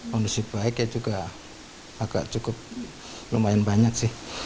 kondisi baik ya juga agak cukup lumayan banyak sih